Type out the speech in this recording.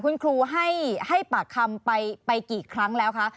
คุณครูให้ปากคำไปกี่ครั้งแล้วคะ